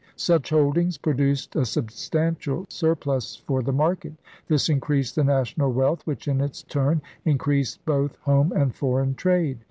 Such holdings produced a substantial surplus for the market. This increased the national wealth, which, in its turn, increased both home and foreign trade.